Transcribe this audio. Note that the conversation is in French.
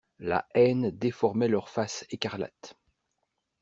La haine déformait leurs faces écarlates.